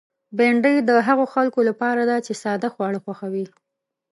بېنډۍ د هغو خلکو لپاره ده چې ساده خواړه خوښوي